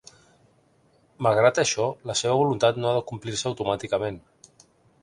No obstant això, la seva voluntat no ha de complir-se automàticament.